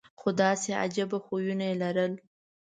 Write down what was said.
خو داسې عجیبه خویونه یې لرل.